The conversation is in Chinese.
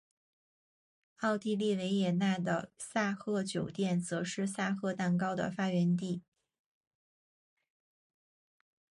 奥地利维也纳的萨赫酒店则是萨赫蛋糕的发源地。